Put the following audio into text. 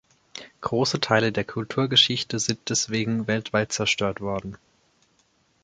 Große Teile der Kulturgeschichte sind deswegen weltweit zerstört worden.